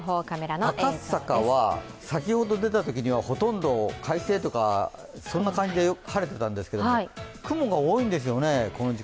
赤坂、先ほど出たときはほとんど快晴とか、そんな感じで晴れてたんですけど雲がこの時間多いんですよね。